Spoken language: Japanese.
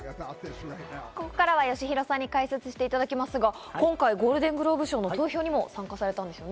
ここからはよしひろさんに解説していただきますが、今回ゴールデングローブ賞の投票にも参加されたんですね。